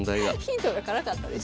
ヒントがカラかったですね。